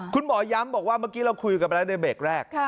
คุณหมอย้ำบอกว่าเมื่อกี้เราคุยกันไปแล้วในเบรกแรก